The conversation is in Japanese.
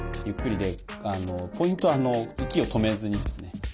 ゆっくりでポイントは息を止めずにですね